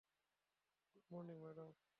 Good morning, madam!